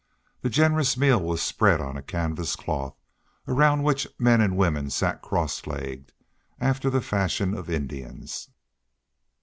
The generous meal was spread on a canvas cloth, around which men and women sat cross legged, after the fashion of Indians.